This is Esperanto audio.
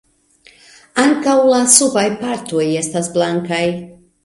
Ankaŭ la subaj partoj estas blankaj.